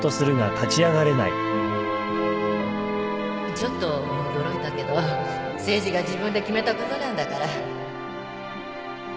ちょっと驚いたけど誠治が自分で決めたことなんだから